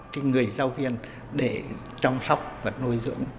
cái người giáo viên để chăm sóc và nuôi dưỡng